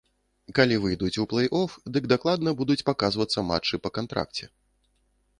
Калі выйдуць у плэй-оф, дык дакладна будуць паказвацца матчы па кантракце.